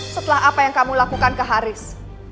setelah apa yang kamu lakukan ke haris